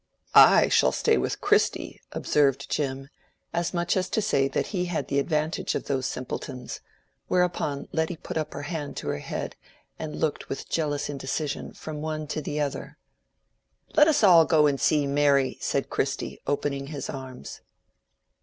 "I shall stay with Christy," observed Jim; as much as to say that he had the advantage of those simpletons; whereupon Letty put her hand up to her head and looked with jealous indecision from the one to the other. "Let us all go and see Mary," said Christy, opening his arms.